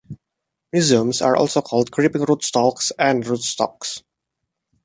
Rhizomes are also called creeping rootstalks and rootstocks.